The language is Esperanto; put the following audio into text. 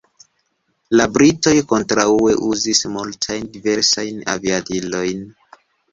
La britoj kontraŭe uzis multajn diversajn aviadilojn.